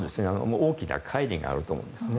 大きな乖離があると思うんですね。